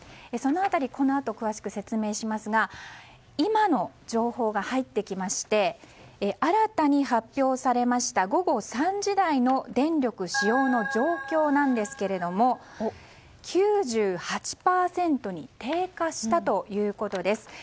その辺り、このあと詳しく説明しますが今の情報が入ってきまして新たに発表されました午後３時台の電力使用の状況ですが９８％に低下したということです。